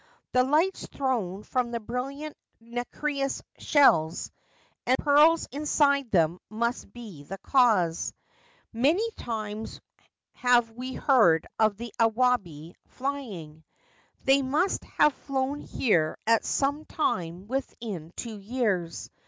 The lights thrown from the brilliant nacreous shells, and pearls inside them, must be the cause. Many times have we heard of the awabi flying. They must have flown here at some time within two years.